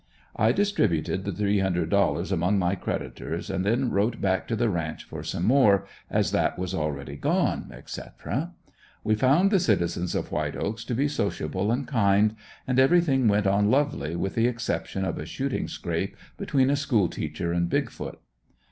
I distributed the three hundred dollars among my creditors and then wrote back to the ranch for some more, as that was already gone, etc. We found the citizens of White Oaks to be sociable and kind; and everything went on lovely with the exception of a shooting scrape between a School teacher and "Big foot."